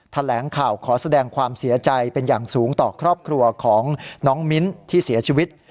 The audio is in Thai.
แถลงข่าวขอแสดงความเสียใจเป็นอย่างสูงต่อครอบครัวของน้องมิ้นที่เสียชีวิต